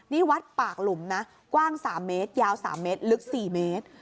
นี่วัดปากหลุมนะกว้าง๓เมตรยาว๓เมตรลึก๔เมตร